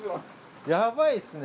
やばいっすね！